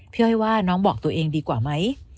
อ้อยว่าน้องบอกตัวเองดีกว่าไหม